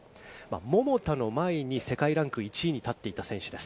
桃田の前に世界ランク１位に立っていた選手です。